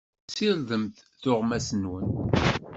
Ssirdem tuɣmas-nwen.